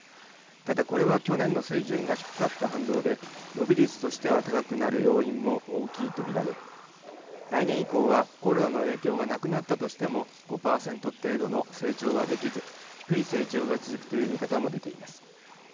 ただこれは去年の水準が低かった反動で伸び率としては高くなる要因も大きいと見られ来年以降は、コロナの影響がなくなったとしても５％程度の成長はできず低い成長が続くという見方も出ています。